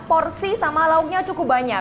porsi sama lauknya cukup banyak